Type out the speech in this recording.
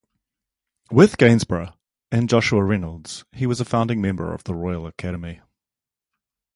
With Gainsborough and Joshua Reynolds, he was a founding member of the Royal Academy.